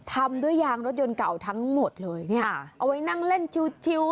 ทำด้วยยางรถยนต์เก่าทั้งหมดเลยเนี่ยเอาไว้นั่งเล่นชิว